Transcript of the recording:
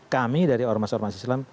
kami dari ormas ormas islam